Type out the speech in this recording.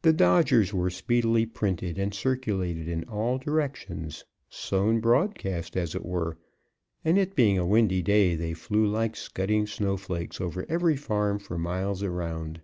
The dodgers were speedily printed and circulated in all directions sown broadcast, as it were and, it being a windy day, they flew like scudding snow flakes over every farm for miles around.